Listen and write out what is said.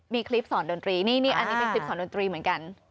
มีคลิปสอนดนตรีนี่อันนี้เป็นคลิปสอนดนตรีเหมือนกัน